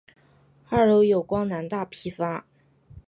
二楼有光南大批发。